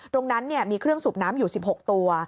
ตรงนั้นมีเครื่องสูบน้ำอยู่๑๖ตัว